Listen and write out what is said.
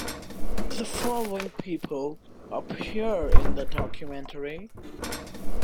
The following people appear in the documentary.